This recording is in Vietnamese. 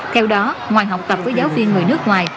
theo đó ngoài học tập với giáo viên người nước ngoài